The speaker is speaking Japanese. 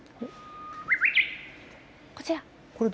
こちら。